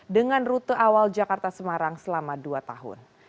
dengan rute awal jakarta semarang selama dua tahun